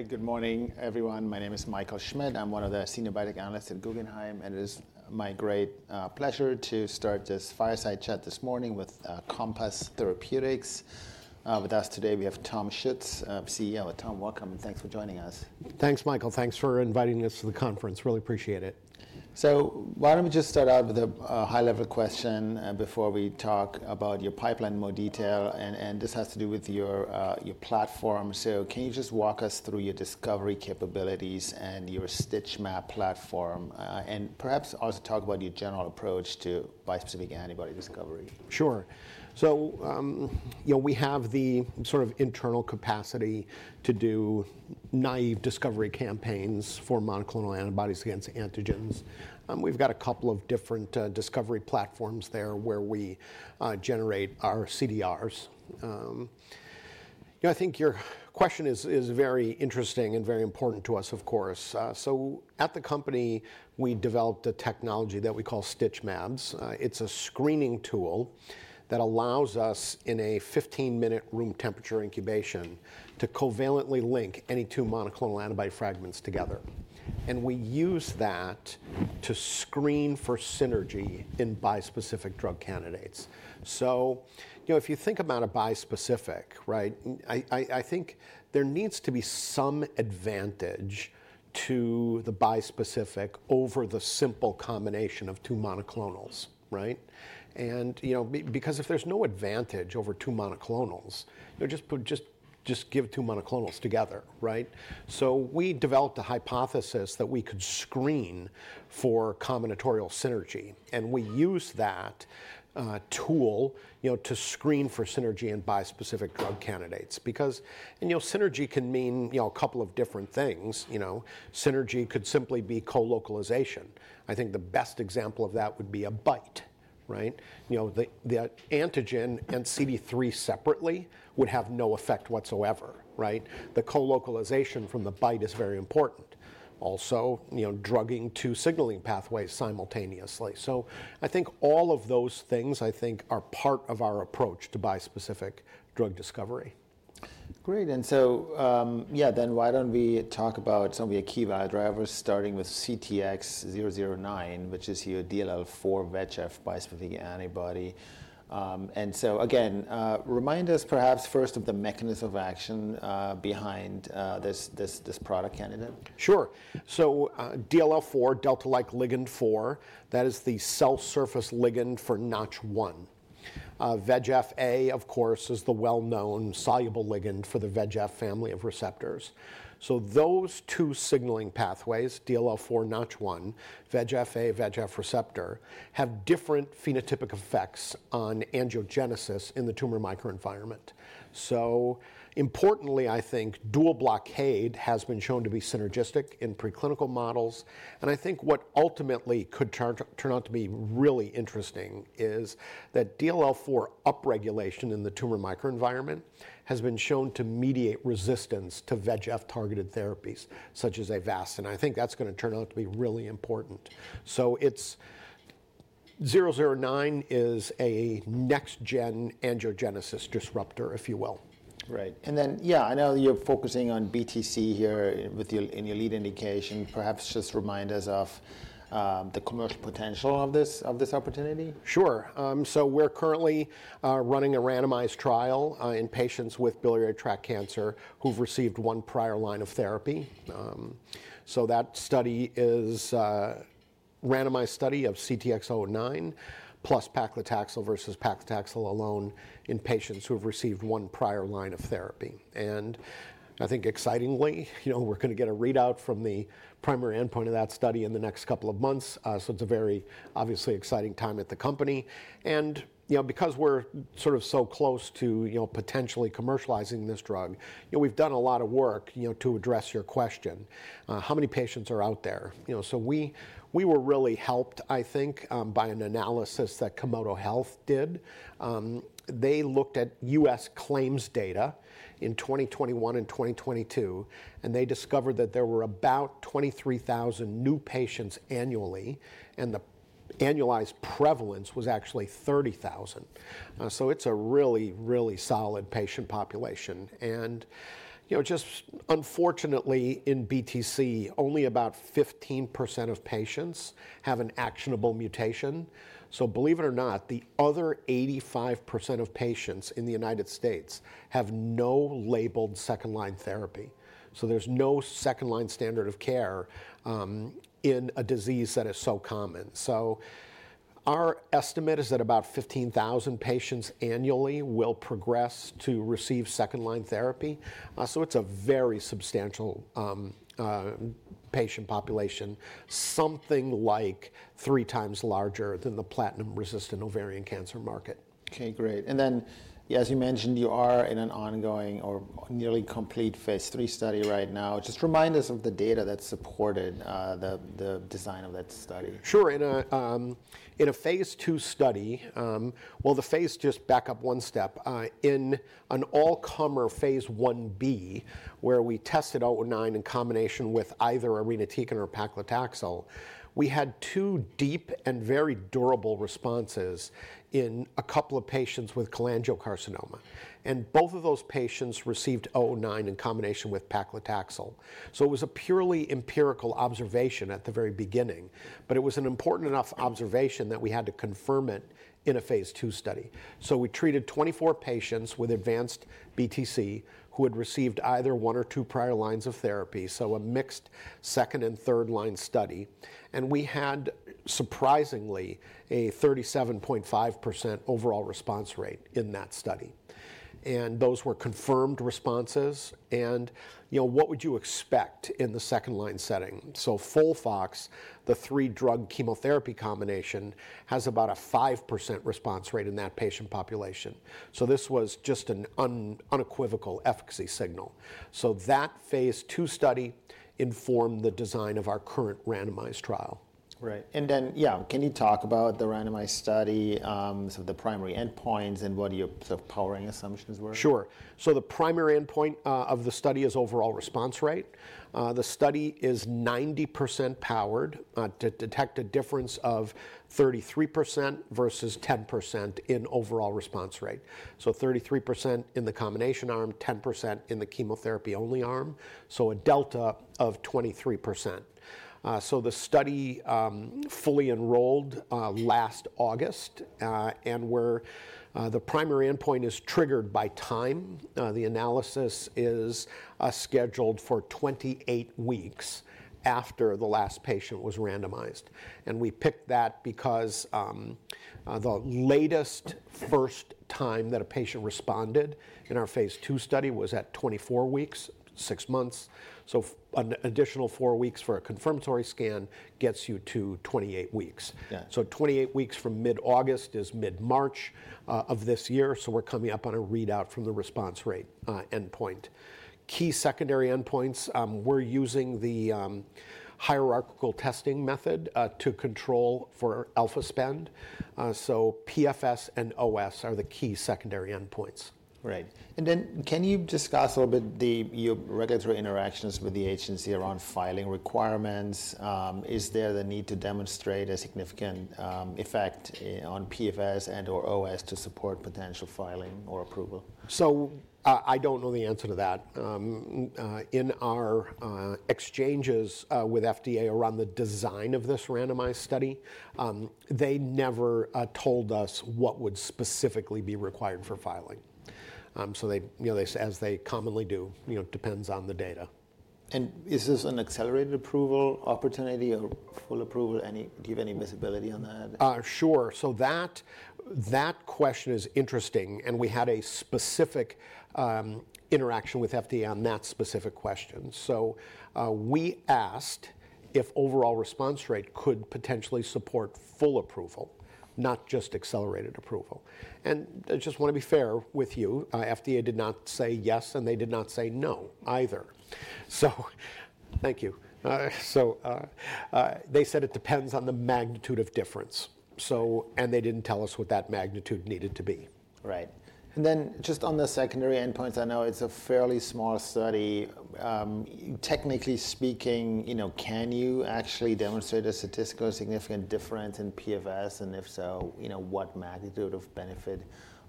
All right, good morning, everyone. My name is Michael Schmidt. I'm one of the senior biotech analysts at Guggenheim, and it is my great pleasure to start this fireside chat this morning with Compass Therapeutics. With us today, we have Thomas Schuetz, CEO of Compass. Welcome, and thanks for joining us. Thanks, Michael. Thanks for inviting us to the conference. Really appreciate it. So why don't we just start out with a high-level question before we talk about your pipeline in more detail? And this has to do with your platform. So can you just walk us through your discovery capabilities and your StitchMabs platform? And perhaps also talk about your general approach to bispecific antibody discovery. Sure. So we have the sort of internal capacity to do naive discovery campaigns for monoclonal antibodies against antigens. We've got a couple of different discovery platforms there where we generate our CDRs. I think your question is very interesting and very important to us, of course. So at the company, we developed a technology that we call StitchMabs. It's a screening tool that allows us, in a 15-minute room temperature incubation, to covalently link any two monoclonal antibody fragments together. And we use that to screen for synergy in bispecific drug candidates. So if you think about a bispecific, I think there needs to be some advantage to the bispecific over the simple combination of two monoclonals. Because if there's no advantage over two monoclonals, just give two monoclonals together. So we developed a hypothesis that we could screen for combinatorial synergy. We use that tool to screen for synergy in bispecific drug candidates. Synergy can mean a couple of different things. Synergy could simply be co-localization. I think the best example of that would be a BiTE. The antigen and CD3 separately would have no effect whatsoever. The co-localization from the BiTE is very important. Also, drugging two signalling pathways simultaneously. I think all of those things, I think, are part of our approach to bispecific drug discovery. Great. And so yeah, then why don't we talk about some of your key value drivers, starting with CTX-009, which is your DLL4 VEGF bispecific antibody. And so again, remind us, perhaps, first of the mechanism of action behind this product candidate. Sure. So DLL4, delta-like ligand 4, that is the cell surface ligand for Notch1. VEGF-A, of course, is the well-known soluble ligand for the VEGF family of receptors. So those two signalling pathways, DLL4 Notch1, VEGF-A, VEGF receptor, have different phenotypic effects on angiogenesis in the tumor microenvironment. So importantly, I think dual blockade has been shown to be synergistic in preclinical models. And I think what ultimately could turn out to be really interesting is that DLL4 upregulation in the tumor microenvironment has been shown to mediate resistance to VEGF-targeted therapies, such as Avastin. I think that's going to turn out to be really important. So its 009 is a next-gen angiogenesis disruptor, if you will. Right, and then yeah, I know you're focusing on BTC here in your lead indication. Perhaps just remind us of the commercial potential of this opportunity. Sure. So we're currently running a randomized trial in patients with biliary tract cancer who've received one prior line of therapy, so that study is a randomized study of CTX-009 plus paclitaxel versus paclitaxel alone in patients who have received one prior line of therapy, and I think, excitingly, we're going to get a readout from the primary endpoint of that study in the next couple of months, so it's a very obviously exciting time at the company, and because we're sort of so close to potentially commercializing this drug, we've done a lot of work to address your question. How many patients are out there, so we were really helped, I think, by an analysis that Komodo Health did. They looked at U.S. claims data in 2021 and 2022, and they discovered that there were about 23,000 new patients annually, and the annualized prevalence was actually 30,000. So It's a really, really solid patient population. Just unfortunately, in BTC, only about 15% of patients have an actionable mutation. Believe it or not, the other 85% of patients in the United States have no labelled second-line therapy. There's no second-line standard of care in a disease that is so common. Our estimate is that about 15,000 patients annually will progress to receive second-line therapy. It's a very substantial patient population, something like three times larger than the platinum-resistant ovarian cancer market. OK, great. And then, as you mentioned, you are in an ongoing or nearly complete phase III study right now. Just remind us of the data that supported the design of that study. Sure. In a phase II study where the phase just backup one step back in an all-comer phase I-B, where we tested 009 in combination with either irinotecan, paclitaxel, we had two deep and very durable responses in a couple of patients with cholangiocarcinoma. And both of those patients received 009 in combination with paclitaxel. So it was a purely empirical observation at the very beginning. But it was an important enough observation that we had to confirm it in a phase II study. So we treated 24 patients with advanced BTC who had received either one or two prior lines of therapy, so a mixed second- and third-line study. And we had, surprisingly, a 37.5% overall response rate in that study. And those were confirmed responses. And what would you expect in the second-line setting? So FOLFOX, the three-drug chemotherapy combination, has about a 5% response rate in that patient population. This was just an unequivocal efficacy signal. That phase II study informed the design of our current randomized trial. Right. And then yeah, can you talk about the randomized study, some of the primary endpoints, and what your powering assumptions were? Sure. So the primary endpoint of the study is overall response rate. The study is 90% powered to detect a difference of 33% versus 10% in overall response rate. So 33% in the combination arm, 10% in the chemotherapy-only arm, so a delta of 23%. So the study fully enrolled last August. And the primary endpoint is triggered by time. The analysis is scheduled for 28 weeks after the last patient was randomized. And we picked that because the latest first time that a patient responded in our phase II study was at 24 weeks, six months. So an additional four weeks for a confirmatory scan gets you to 28 weeks. So 28 weeks from mid-August is mid-March of this year. So we're coming up on a readout from the response rate endpoint. Key secondary endpoints, we're using the hierarchical testing method to control for alpha spend. PFS and OS are the key secondary endpoints. Right, and then can you discuss a little bit your regulatory interactions with the agency around filing requirements? Is there the need to demonstrate a significant effect on PFS and OS to support potential filing or approval? So I don't know the answer to that. In our exchanges with FDA around the design of this randomized study, they never told us what would specifically be required for filing. So as they commonly do, it depends on the data. Is this an accelerated approval opportunity or full approval? Do you have any visibility on that? Sure. So that question is interesting. And we had a specific interaction with FDA on that specific question. So we asked if overall response rate could potentially support full approval, not just accelerated approval. And I just want to be fair with you. FDA did not say yes, and they did not say no either. So thank you. So they said it depends on the magnitude of difference. And they didn't tell us what that magnitude needed to be. Right. And then just on the secondary endpoints, I know it's a fairly small study. Technically speaking, can you actually demonstrate a statistically significant difference in PFS? And if so, what magnitude of benefit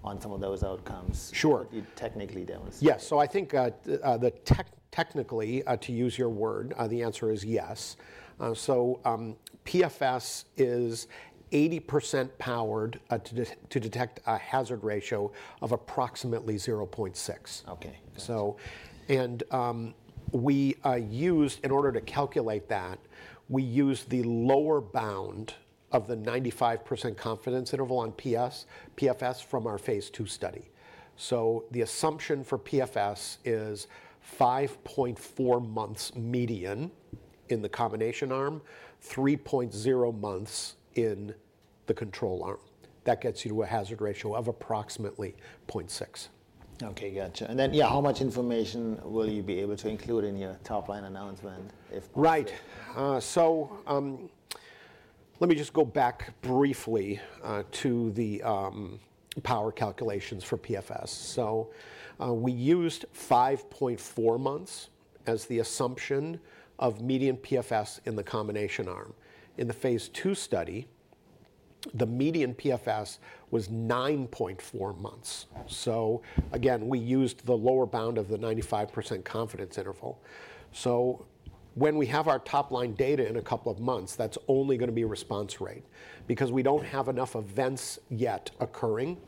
on some of those outcomes could you technically demonstrate? Sure. Yeah. So I think technically, to use your word, the answer is yes. So PFS is 80% powered to detect a hazard ratio of approximately 0.6. And in order to calculate that, we used the lower bound of the 95% confidence interval on PFS from our phase II study. So the assumption for PFS is 5.4 months median in the combination arm, 3.0 months in the control arm. That gets you to a hazard ratio of approximately 0.6. OK, gotcha. And then yeah, how much information will you be able to include in your top-line announcement if possible? Right. So let me just go back briefly to the power calculations for PFS. So we used 5.4 months as the assumption of median PFS in the combination arm. In the phase II study, the median PFS was 9.4 months. So again, we used the lower bound of the 95% confidence interval. So when we have our top-line data in a couple of months, that's only going to be a response rate. Because we don't have enough events yet occurring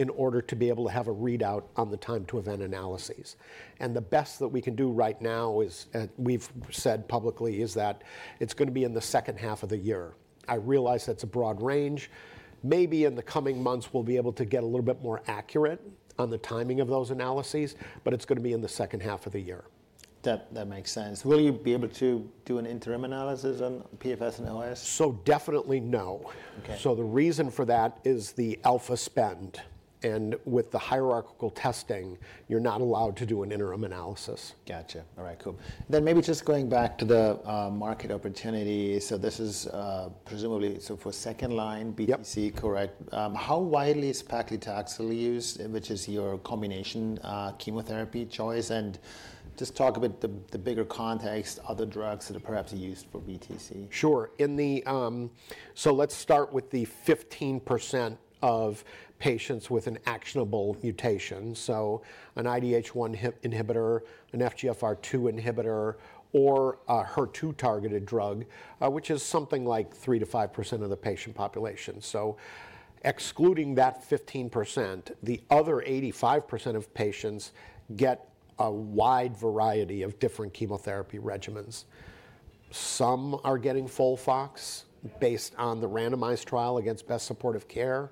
in order to be able to have a readout on the time to event analyses. And the best that we can do right now, as we've said publicly, is that it's going to be in the second half of the year. I realize that's a broad range. Maybe in the coming months, we'll be able to get a little bit more accurate on the timing of those analyses. But it's going to be in the second half of the year. That makes sense. Will you be able to do an interim analysis on PFS and OS? Definitely no. The reason for that is the alpha spend. With the hierarchical testing, you're not allowed to do an interim analysis. Gotcha. All right, cool. Then maybe just going back to the market opportunity. So this is presumably for second-line BTC, correct? How widely is paclitaxel used, which is your combination chemotherapy choice? And just talk a bit about the bigger context, other drugs that are perhaps used for BTC. Sure. So let's start with the 15% of patients with an actionable mutation. So an IDH1 inhibitor, an FGFR2 inhibitor, or a HER2-targeted drug, which is something like 3% to 5% of the patient population. So excluding that 15%, the other 85% of patients get a wide variety of different chemotherapy regimens. Some are getting FOLFOX based on the randomized trial against best supportive care.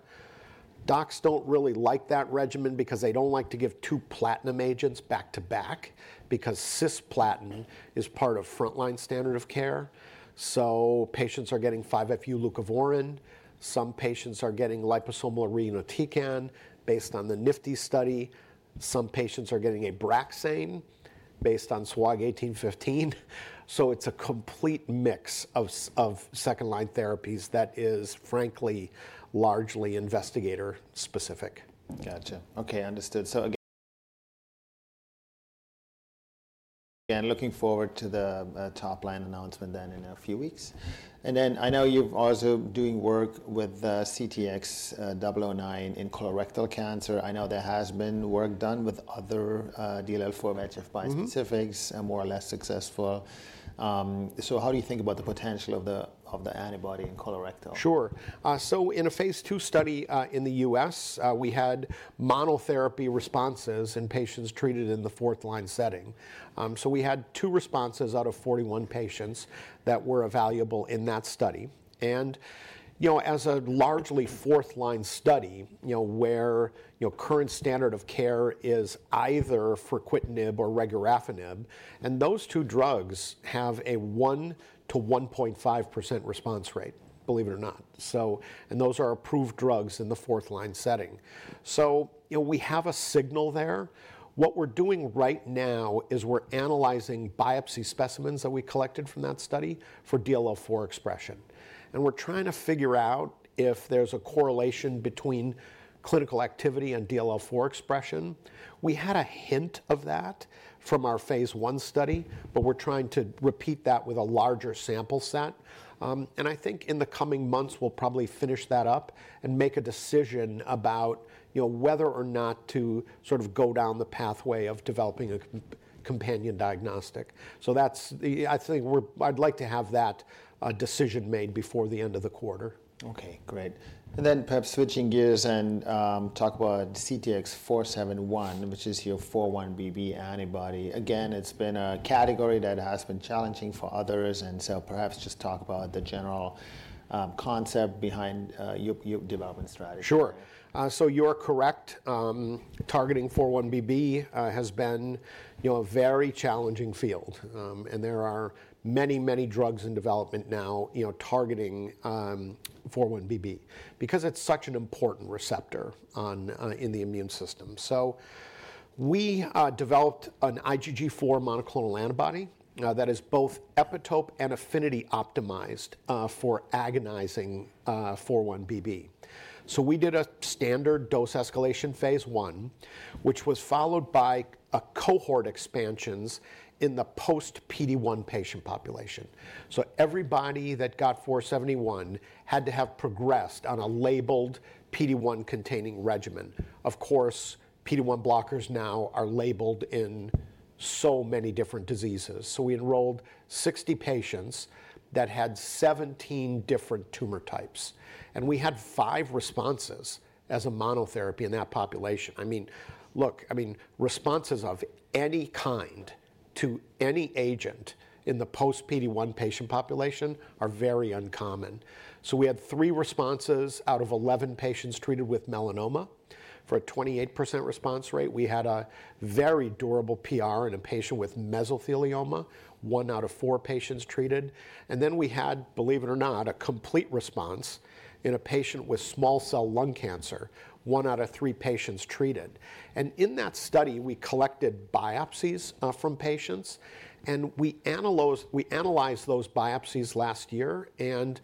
Docs don't really like that regimen because they don't like to give two platinum agents back to back, because cisplatin is part of front-line standard of care. So patients are getting 5-FU leucovorin. Some patients are getting liposomal irinotecan based on the NIFTY study. Some patients are getting Abraxane based on SWOG 1815. So it's a complete mix of second-line therapies that is, frankly, largely investigator-specific. Gotcha. OK, understood. So looking forward to the top-line announcement then in a few weeks. And then I know you've also been doing work with CTX-009 in colorectal cancer. I know there has been work done with other DLL4/VEGF bispecific, more or less successful. So how do you think about the potential of the antibody in colorectal? Sure. So in a phase II study in the U.S., we had monotherapy responses in patients treated in the fourth-line setting. So we had two responses out of 41 patients that were evaluable in that study. And as a largely fourth-line study where current standard of care is either fruquintinib, regorafenib, and those two drugs have a 1%-1.5% response rate, believe it or not. And those are approved drugs in the fourth-line setting. So we have a signal there. What we're doing right now is we're analyzing biopsy specimens that we collected from that study for DLL4 expression. And we're trying to figure out if there's a correlation between clinical activity and DLL4 expression. We had a hint of that from our phase I study, but we're trying to repeat that with a larger sample set. I think in the coming months, we'll probably finish that up and make a decision about whether or not to sort of go down the pathway of developing a companion diagnostic. I'd like to have that decision made before the end of the quarter. OK, great. And then perhaps switching gears and talk about CTX-471, which is your 4-1BB antibody. Again, it's been a category that has been challenging for others. And so perhaps just talk about the general concept behind your development strategy. Sure. So you're correct. Targeting 4-1BB has been a very challenging field. And there are many, many drugs in development now targeting 4-1BB because it's such an important receptor in the immune system. So we developed an IgG4 monoclonal antibody that is both epitope and affinity optimized for agonizing 4-1BB. So we did a standard dose escalation phase I, which was followed by cohort expansions in the post-PD-1 patient population. So everybody that got 471 had to have progressed on a labelled PD-1-containing regimen. Of course, PD-1 blockers now are labelled in so many different diseases. So we enrolled 60 patients that had 17 different tumor types. And we had five responses as a monotherapy in that population. I mean, look, I mean responses of any kind to any agent in the post-PD-1 patient population are very uncommon. So we had three responses out of 11 patients treated with melanoma for a 28% response rate. We had a very durable PR in a patient with mesothelioma, one out of four patients treated. And then we had, believe it or not, a complete response in a patient with small cell lung cancer, one out of three patients treated. And in that study, we collected biopsies from patients. And we analyzed those biopsies last year. And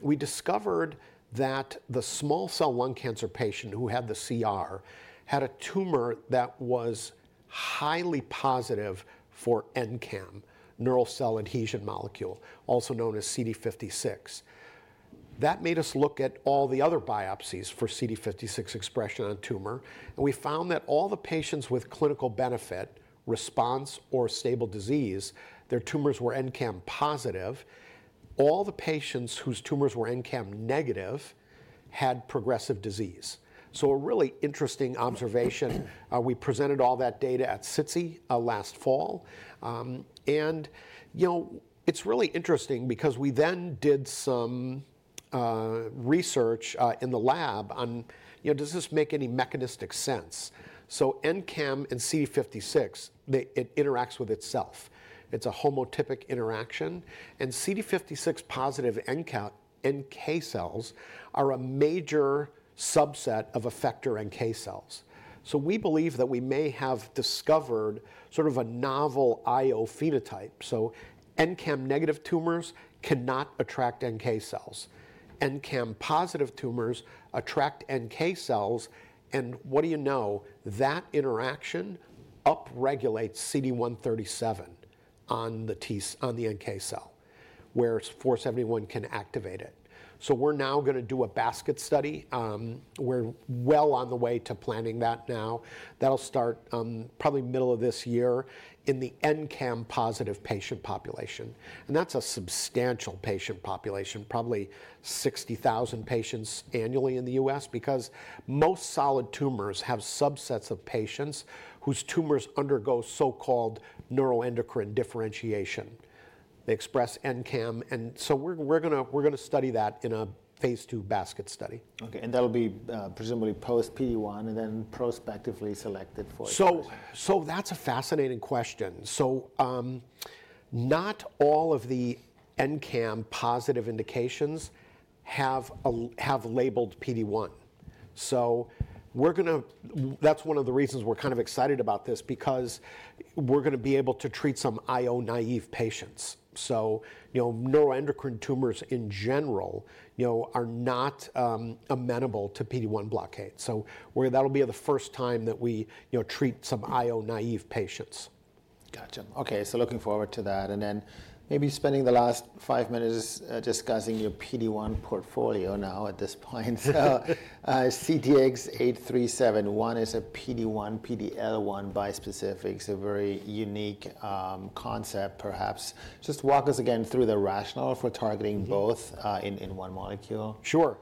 we discovered that the small cell lung cancer patient who had the CR had a tumor that was highly positive for NCAM, neural cell adhesion molecule, also known as CD56. That made us look at all the other biopsies for CD56 expression on tumor. And we found that all the patients with clinical benefit, response, or stable disease, their tumors were NCAM positive. All the patients whose tumors were NCAM negative had progressive disease. A really interesting observation. We presented all that data at SITC last fall. It's really interesting because we then did some research in the lab on, does this make any mechanistic sense? NCAM and CD56, it interacts with itself. It's a homotypic interaction. CD56-positive NK cells are a major subset of effector NK cells. We believe that we may have discovered sort of a novel immunophenotype. NCAM negative tumors cannot attract NK cells. NCAM positive tumors attract NK cells. What do you know? That interaction upregulates CD137 on the NK cell, whereas 471 can activate it. We're now going to do a basket study. We're well on the way to planning that now. That'll start probably middle of this year in the NCAM positive patient population. That's a substantial patient population, probably 60,000 patients annually in the U.S., because most solid tumors have subsets of patients whose tumors undergo so-called neuroendocrine differentiation. They express NCAM. And so we're going to study that in a phase II basket study. OK, and that'll be presumably post-PD-1 and then prospectively selected for. So that's a fascinating question. So not all of the NCAM-positive indications have labelled PD-1. So that's one of the reasons we're kind of excited about this, because we're going to be able to treat some IO-naive patients. So neuroendocrine tumors in general are not amenable to PD-1 blockade. That'll be the first time that we treat some IO-naive patients. Gotcha. OK, so looking forward to that and then maybe spending the last five minutes discussing your PD-1 portfolio now at this point, so CTX-8371 is a PD-1, PD-L1 bispecific, a very unique concept, perhaps. Just walk us again through the rationale for targeting both in one molecule. Sure.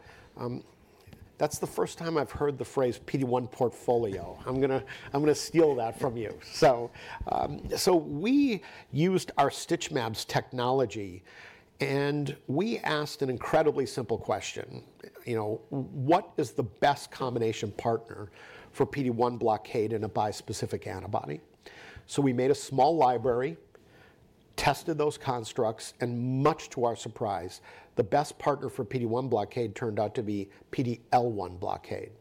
That's the first time I've heard the phrase PD-1 portfolio. I'm going to steal that from you. So we used our StitchMabs technology. And we asked an incredibly simple question. What is the best combination partner for PD-1 blockade in a bispecific antibody? So we made a small library, tested those constructs. And much to our surprise, the best partner for PD-1 blockade turned out to be PD-L1 blockade.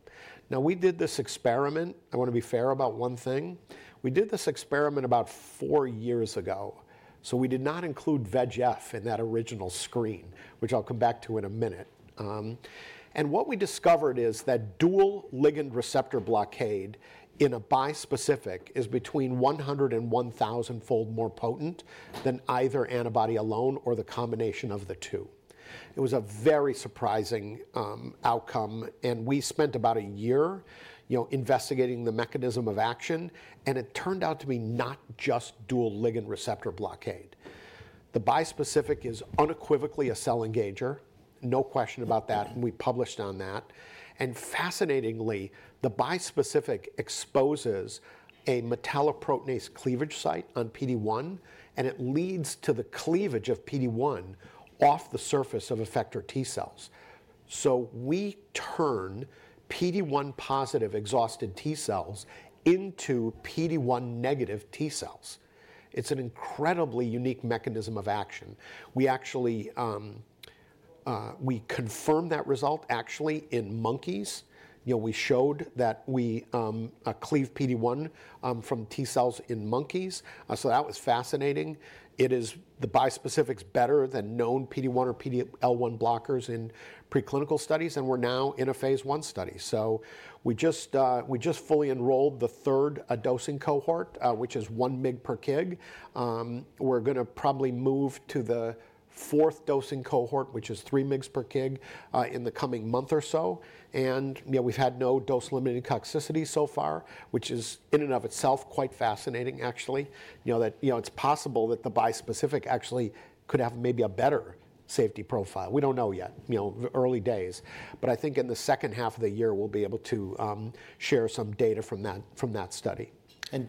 Now, we did this experiment. I want to be fair about one thing. We did this experiment about four years ago. So we did not include VEGF in that original screen, which I'll come back to in a minute. And what we discovered is that dual ligand receptor blockade in a bispecific is between 100 and 1,000-fold more potent than either antibody alone or the combination of the two. It was a very surprising outcome. We spent about a year investigating the mechanism of action. It turned out to be not just dual ligand receptor blockade. The bi-specific is unequivocally a cell engager, no question about that. We published on that. Fascinatingly, the bi-specific exposes a metalloproteinase cleavage site on PD-1. It leads to the cleavage of PD-1 off the surface of effector T cells. We turn PD-1 positive exhausted T cells into PD-1 negative T cells. It's an incredibly unique mechanism of action. We confirmed that result, actually, in monkeys. We showed that we cleaved PD-1 from T cells in monkeys. That was fascinating. The bi-specific is better than known PD-1 or PD-L1 blockers in preclinical studies. We're now in a phase I study. We just fully enrolled the third dosing cohort, which is one mg per kg. We're going to probably move to the fourth dosing cohort, which is three mg per kg, in the coming month or so. And we've had no dose-limiting toxicity so far, which is in and of itself quite fascinating, actually. It's possible that the bi-specific actually could have maybe a better safety profile. We don't know yet, early days. But I think in the second half of the year, we'll be able to share some data from that study.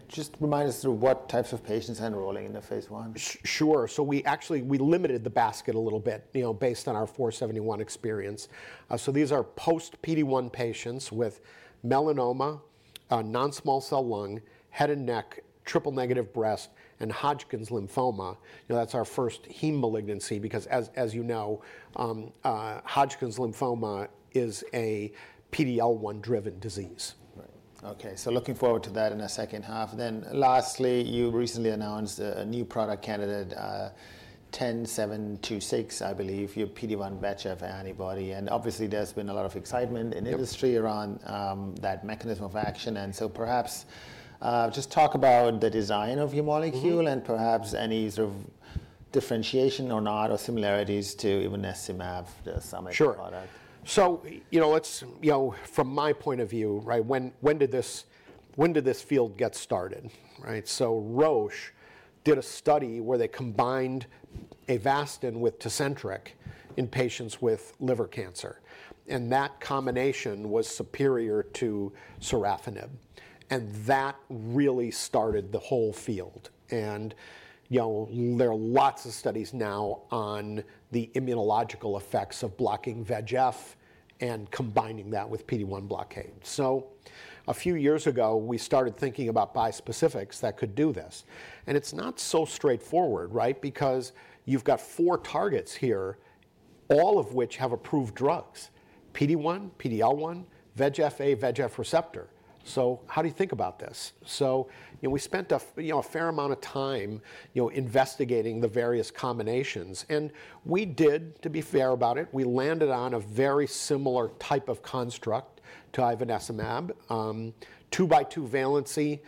Just remind us through what types of patients are enrolling in the phase I? Sure. So we actually limited the basket a little bit based on our 471 experience. So these are post-PD-1 patients with melanoma, non-small cell lung, head and neck, triple-negative breast, and Hodgkin's lymphoma. That's our first hematologic malignancy, because as you know, Hodgkin's lymphoma is a PD-L1-driven disease. OK. So looking forward to that in the second half. Then lastly, you recently announced a new product candidate, 10726, I believe, your PD-1 VEGF antibody. And obviously, there's been a lot of excitement in the industry around that mechanism of action. And so perhaps just talk about the design of your molecule and perhaps any sort of differentiation or not, or similarities to even Ivonescimab, some other product. Sure. So from my point of view, when did this field get started? So Roche did a study where they combined Avastin with Tecentriq in patients with liver cancer. And that combination was superior to sorafenib. And that really started the whole field. And there are lots of studies now on the immunological effects of blocking VEGF and combining that with PD-1 blockade. So a few years ago, we started thinking about bi-specifics that could do this. And it's not so straightforward, right? Because you've got four targets here, all of which have approved drugs: PD-1, PD-L1, VEGFA, VEGF receptor. So how do you think about this? So we spent a fair amount of time investigating the various combinations. And we did, to be fair about it, we landed on a very similar type of construct to Ivonescimab, two-by-two valency,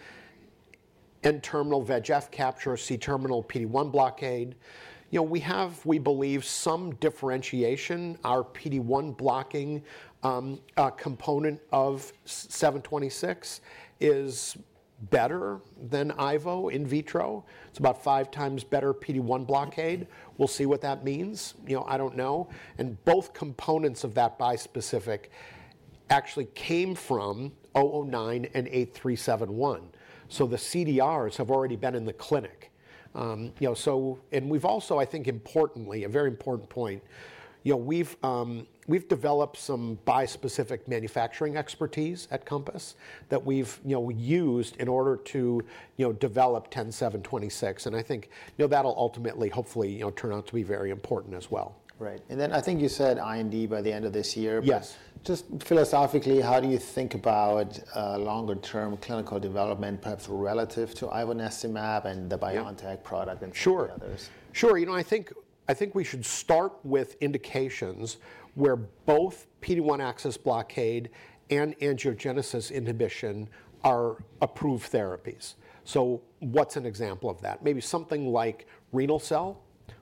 N-terminal VEGF capture, C-terminal PD-1 blockade. We have, we believe, some differentiation. Our PD-1 blocking component of 726 is better than IVO in vitro. It's about five times better PD-1 blockade. We'll see what that means. I don't know. And both components of that bi-specific actually came from 009 and 8371. So the CDRs have already been in the clinic. And we've also, I think importantly, a very important point, we've developed some bi-specific manufacturing expertise at Compass that we've used in order to develop 10726. And I think that'll ultimately, hopefully, turn out to be very important as well. Right. And then I think you said IND by the end of this year. Yes. Just philosophically, how do you think about longer-term clinical development, perhaps relative to Ivonescimab and the BioNTech product and others? Sure. I think we should start with indications where both PD-1 axis blockade and angiogenesis inhibition are approved therapies. So what's an example of that? Maybe something like renal cell,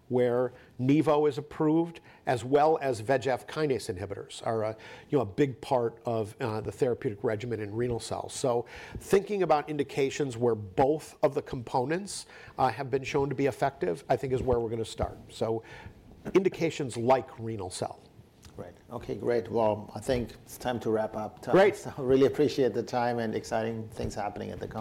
where nivo is approved, as well as VEGF kinase inhibitors are a big part of the therapeutic regimen in renal cell. So thinking about indications where both of the components have been shown to be effective, I think, is where we're going to start. So indications like renal cell. Right. OK, great. Well, I think it's time to wrap up. Great. I really appreciate the time and exciting things happening at the Compass.